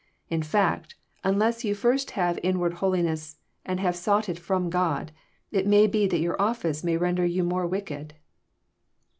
In fact, unless you first have inward holiness, and have sought it from God, It may be that your office may render you more wicked.